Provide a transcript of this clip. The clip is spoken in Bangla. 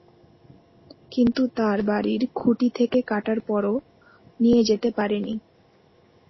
কিন্তু তাঁর বাড়ির তার খুঁটি থেকে কাটার পরও নিয়ে যেতে পারেনি।